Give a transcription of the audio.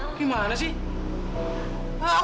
udah mak kita makan tempat lain aja